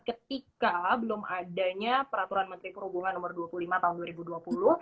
ketika belum adanya peraturan menteri perhubungan nomor dua puluh lima tahun dua ribu dua puluh